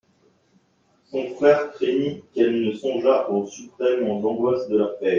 Son frère craignit qu'elle ne songeât aux suprêmes angoisses de leur père.